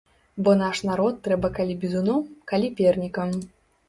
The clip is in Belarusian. Бо наш народ трэба калі бізуном, калі пернікам.